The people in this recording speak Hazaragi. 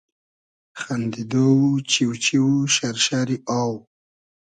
خئندیدۉ و چیو چیو و شئر شئری آو